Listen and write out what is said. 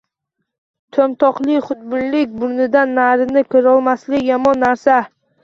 To‘mtoqlik, xudbinlik, burnidan narini ko‘rolmaslik yomon narsa.